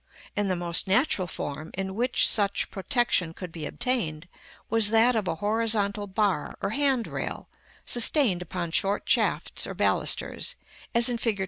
and the most natural form in which such protection could be obtained was that of a horizontal bar or hand rail, sustained upon short shafts or balusters, as in Fig.